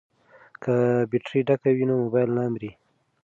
که بیټرۍ ډکه وي نو مبایل نه مري.